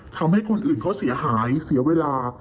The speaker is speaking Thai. ทำให้คนอื่นเขาเสียหายเสียเวลา